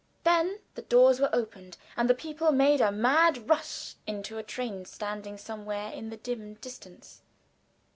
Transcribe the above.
Then the doors were opened, and the people made a mad rush to a train standing somewhere in the dim distance.